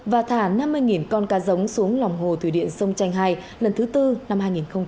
và thả năm mươi con cá giống xuống lòng hồ thủy điện sông chanh ii lần thứ tư năm hai nghìn một mươi chín